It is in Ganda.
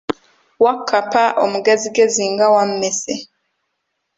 Wakkapa omugezigezi nga wammese.